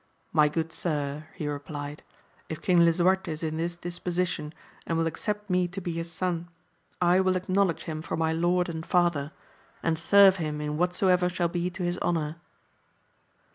My good sir, he replied, if King Lisu arte is in this disposition, and will accept me to be his son, I will acknowledge him for my lord and father, and serve him in whatsoever shall be to his honour.